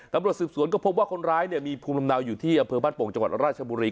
ตำรวจสืบสวนก็พบว่าคนร้ายมีภูมิลำเนาอยู่ที่อำเภอบ้านโป่งจังหวัดราชบุรี